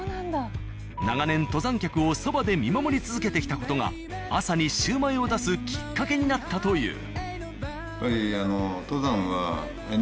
長年登山客をそばで見守り続けてきた事が朝にシュウマイを出すきっかけになったという。